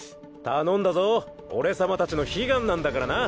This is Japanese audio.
頼んだぞ俺様達の悲願なんだからな。